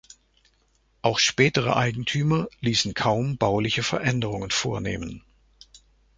Auch spätere Eigentümer ließen kaum bauliche Veränderungen vornehmen.